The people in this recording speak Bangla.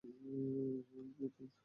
এক, দুই, তিন!